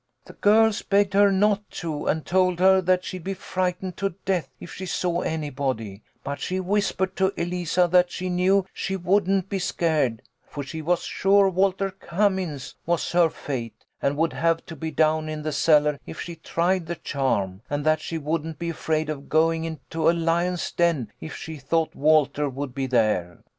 " The girls begged her not to, and told her that she'd be frightened to death if she saw anybody, but she whispered to Eliza that she knew she wouldn't be scared, for she was sure Walter Cummins was her fate, and would have to be down in the cellar if she tried the charm, and that she wouldn't be afraid of going into a lion's den if she thought Walter would be there.